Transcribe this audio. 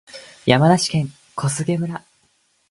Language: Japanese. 山梨県小菅村